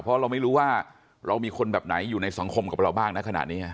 เพราะเราไม่รู้ว่าเรามีคนแบบไหนอยู่ในสังคมกับเราบ้างนะขณะนี้